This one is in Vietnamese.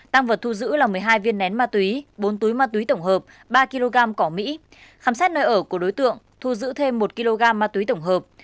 tăng vật thu giữ là một mươi hai viên nén ma túy bốn túi ma túy tổng hợp ba kg cỏ mỹ khám xét nơi ở của đối tượng thu giữ thêm một kg ma túy tổng hợp